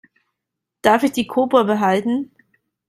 Darf ich die Kobra behalten?